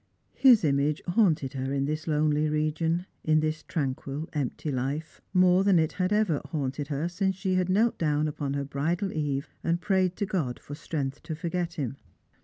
His image haunted her in this lonely region — in this tranquil, empty life — more than _ it had ever daunted her since she knelt down upon her bridal eve and prayed to God for strength to forget him.